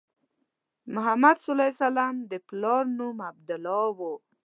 محمد صلی الله علیه وسلم د پلار نوم عبدالله و.